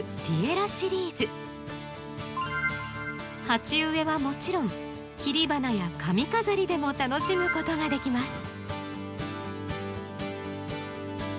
鉢植えはもちろん切り花や髪飾りでも楽しむことができます。